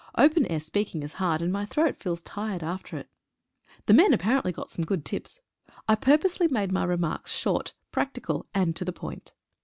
Open air speaking is hard, and my throat feels tired after it. The men apparently got some good tips. I purposely made my remarks short, practical, and to the point.